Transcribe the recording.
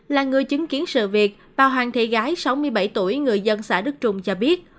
là người chứng kiến sự việc bà hoàng thị gái sáu mươi bảy tuổi người dân xã đức trung cho biết